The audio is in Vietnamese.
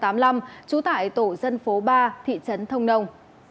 trú tại tổ dân phố ba thị trấn thông nông